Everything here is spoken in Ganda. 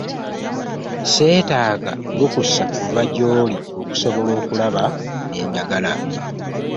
Sseetaaga lukusa kuva gy'oli okusobola okulaba bye njagala.